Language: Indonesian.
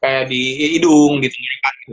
kayak di hidung gitu